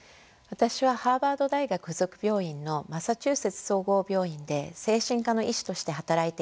私はハーバード大学附属病院のマサチューセッツ総合病院で精神科の医師として働いています。